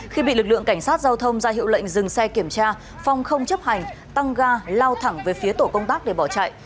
khi bị lực lượng cảnh sát giao thông ra hiệu lệnh dừng xe kiểm tra phong không chấp hành tăng ga lao thẳng về phía tổ công tác để bỏ chạy